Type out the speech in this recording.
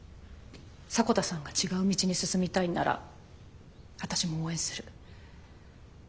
迫田さんが違う道に進みたいんなら私も応援する。